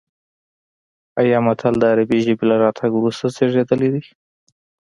ایا متل د عربي ژبې له راتګ وروسته زېږېدلی دی